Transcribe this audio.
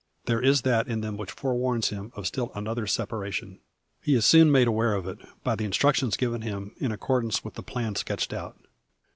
There is that in them which forewarns him of still another separation. He is soon made aware of it, by the instructions given him, in accordance with the plan sketched cat.